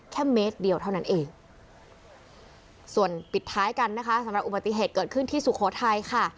เมตรเดียวเท่านั้นเองส่วนปิดท้ายกันนะคะสำหรับอุบัติเหตุเกิดขึ้นที่สุโขทัยค่ะ